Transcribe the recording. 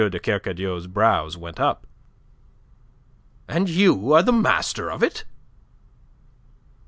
de Kercadiou's brows went up. "And you are master of it?"